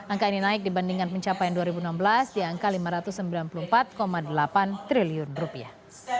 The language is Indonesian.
angka ini naik dibandingkan pencapaian dua ribu enam belas di angka lima ratus sembilan puluh empat delapan triliun rupiah